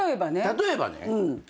例えばね。